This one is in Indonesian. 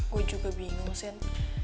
gue juga bingung sian